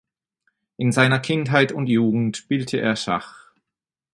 In seiner Kindheit und Jugend spielte er Schach.